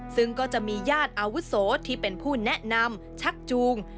ซึ่งก็จะมีญาติอาวุโสที่เป็นผู้แนะนำชักจูง